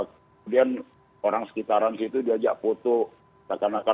kemudian orang sekitaran di ajak putuk